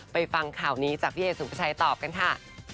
ฟังข่าวนี้จากพี่เอสุภาชัยตอบกันค่ะ